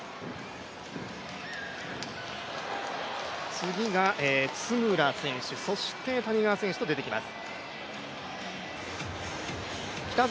次が津村選手、そして、谷川選手と出てきます。